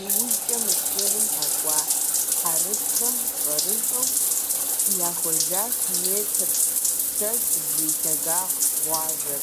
ИужькӀэ Мысырым къэкӀуа хьэрыпхэм щӀэрыщӀэу яухуэжащ метр щэщӏ зи лъагагъ гъуазэр.